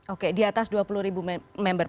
oke di atas dua puluh ribu member